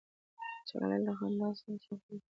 چاکلېټ له خندا سره ښه خوند کوي.